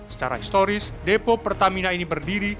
secara historis depo pertamina ini berdiri